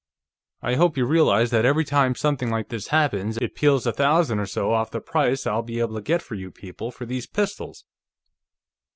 I hope you realize that every time something like this happens, it peels a thousand or so off the price I'll be able to get for you people for these pistols."